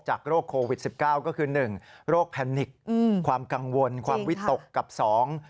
จากโรคโควิด๑๙ก็คือหนึ่งโรคแพนิกความกังวลความวิตกกับสอง